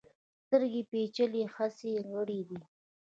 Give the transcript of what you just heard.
سترګې پیچلي حسي غړي دي.